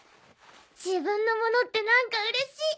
自分のものって何かうれしい！